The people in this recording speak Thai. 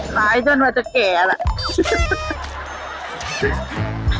ขายจนว่าจะแก่ละ